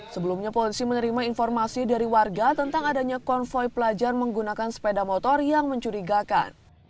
sebelumnya polisi menerima informasi dari warga tentang adanya konvoy pelajar menggunakan sepeda motor yang mencurigakan